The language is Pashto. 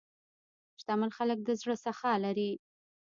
شتمن خلک د زړه سخا لري.